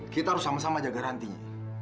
kita harus sama sama jaga rantinya